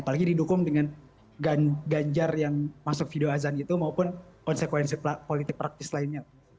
apalagi didukung dengan ganjar yang masuk video azan itu maupun konsekuensi politik praktis lainnya